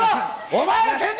お前ら！